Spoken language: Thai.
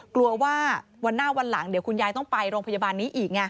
กลัวว่าวันหน้าวันหลังเดี๋ยวคุณยายต้องไปโรงพยาบาลนี้อีกไง